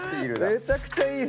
めちゃくちゃいい！